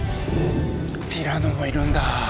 ティラノもいるんだ。